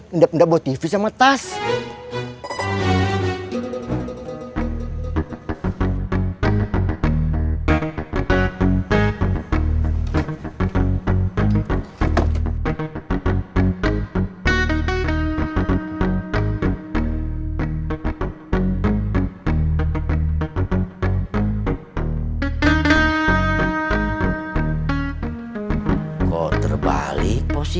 mendap dap buat tv sama tas